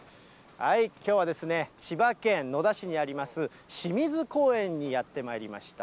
きょうはですね、千葉県野田市にあります、清水公園にやってまいりました。